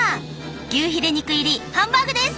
牛ヒレ肉入りハンバーグです！